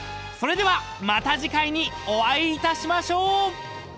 ［それではまた次回にお会いいたしましょう！］